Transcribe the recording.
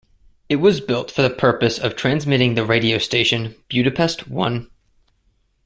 It was built for the purpose of transmitting the radio station Budapest I.